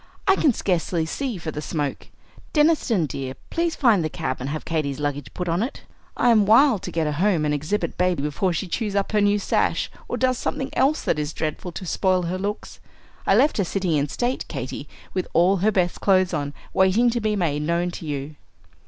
"I can scarcely see for the smoke. Deniston, dear, please find the cab, and have Katy's luggage put on it. I am wild to get her home, and exhibit baby before she chews up her new sash or does something else that is dreadful, to spoil her looks. I left her sitting in state, Katy, with all her best clothes on, waiting to be made known to you."